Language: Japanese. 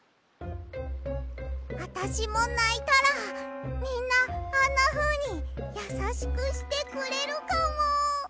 あたしもないたらみんなあんなふうにやさしくしてくれるかも！